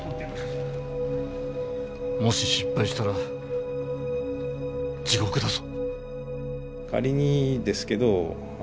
もし失敗したら地獄だぞ。